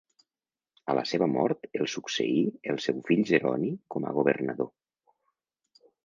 A la seva mort el succeí el seu fill Jeroni com a governador.